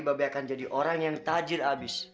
babi akan jadi orang yang tajir abis